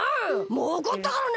もうおこったからね！